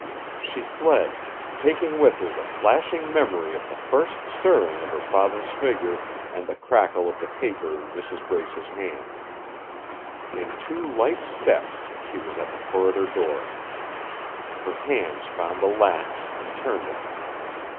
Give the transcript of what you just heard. She fled, taking with her the flashing memory of the first stirring of her father's figure and the crackle of the paper in Mrs. Brace's hand. In two light steps she was at the corridor door. Her hands found the latch and turned it.